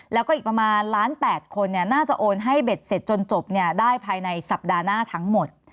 แล้วก็อีกประมาณล้าน๘คนน่าจะโอนให้เบ็ดเสร็จจนจบได้ภายในสัปดาห์หน้าทั้งหมด